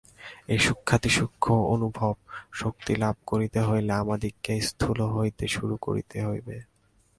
এই সূক্ষ্মাতিসূক্ষ্ম অনুভব-শক্তি লাভ করিতে হইলে আমাদিগকে স্থূল হইতে শুরু করিতে হইবে।